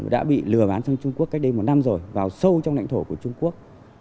đã bị lừa bán sang trung quốc cách đây một năm rồi vào sâu trong lãnh thổ của trung quốc